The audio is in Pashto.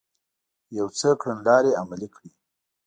يو څه کړنلارې عملي کړې